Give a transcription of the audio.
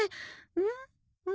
うん？